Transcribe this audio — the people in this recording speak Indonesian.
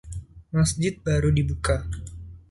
Masjid baru dibuka.